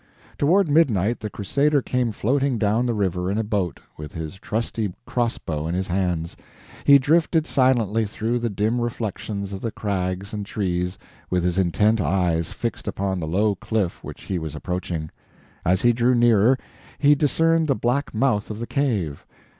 Toward midnight the Crusader came floating down the river in a boat, with his trusty cross bow in his hands. He drifted silently through the dim reflections of the crags and trees, with his intent eyes fixed upon the low cliff which he was approaching. As he drew nearer, he discerned the black mouth of the cave.